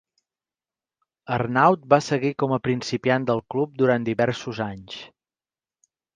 Arnaud va seguir com a principiant del club durant diversos anys.